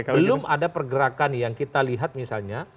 belum ada pergerakan yang kita lihat misalnya